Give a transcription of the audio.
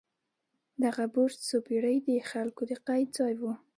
دغه برج څو پېړۍ د خلکو د قید ځای و.